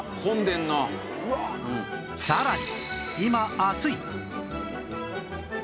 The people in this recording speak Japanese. さらに